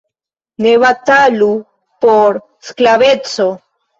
Ne batalu por sklaveco!